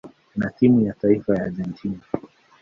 na timu ya taifa ya Argentina.